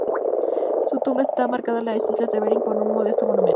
Su tumba está marcada en la isla de Bering por un modesto monumento.